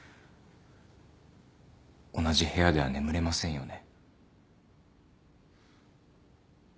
同じ部屋では眠れませんよね。